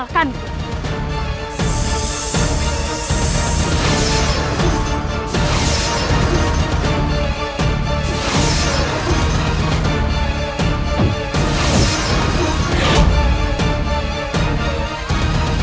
o connection siapa itu prabu kuranda geni